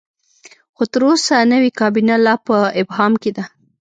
خو تر اوسه نوې کابینه لا په ابهام کې ده.